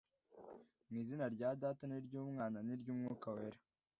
mu izina rya data n’ iry umwana n’ iry umwuka wera